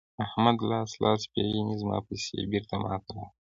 احمده؛ لاس لاس پېژني ـ زما پيسې بېرته ما ته راکړه.